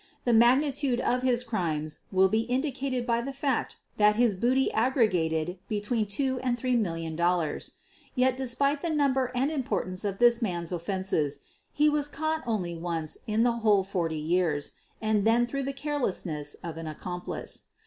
The magnitude of his crimes will be indicated by the fact that his booty aggregated between two and three million dollars. Yet, despite the number and importance of this man's offenses, he was caught only once in the whole forty years, and then through the carelessness of an accomplice.